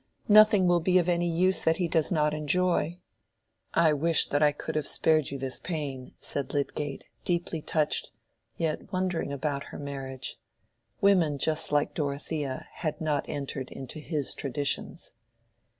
"Nothing will be of any use that he does not enjoy." "I wish that I could have spared you this pain," said Lydgate, deeply touched, yet wondering about her marriage. Women just like Dorothea had not entered into his traditions.